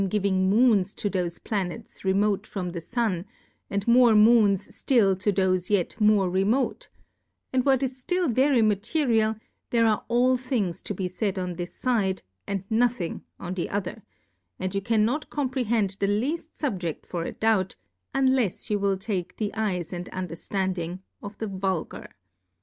171 giving Moons to thofe Planets remote from the Sun^ and more Moons ftill to thofe yet more remote ; and what is ftill very material, there are all things to be faid on this fide, and nothing on the other ; and you cannot comprehend the leaft Subjeft for a Doubt, unlels you will take the Eyes and Underftand ing of the Vulgar.